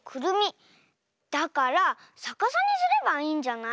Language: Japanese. だからさかさにすればいいんじゃない？